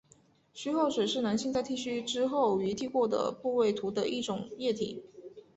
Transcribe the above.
须后水是男性在剃须之后于剃过的部位涂的一种液体。